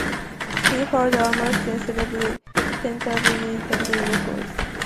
He holds almost all the Canterbury wicketkeeping records.